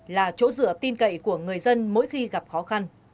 và tin cậy của người dân mỗi khi gặp khó khăn